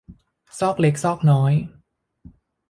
ซอกเล็กซอกน้อย